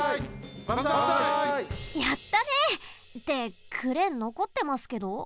やったね！ってクレーンのこってますけど？